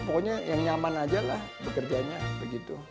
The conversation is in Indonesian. pokoknya yang nyaman ajalah pekerjanya begitu